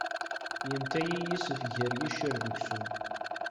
Yenta-iyi yisef gar yiccer d uksum.